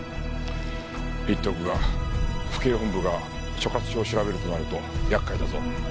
言っておくが府警本部が所轄署を調べるとなると厄介だぞ。